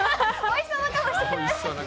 おいしそうな顔してる。